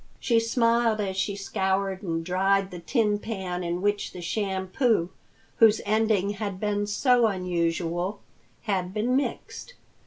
She smiled as she scoured and dried the tin pan in which the shampoo, whose ending had been so unusual, had been mixed.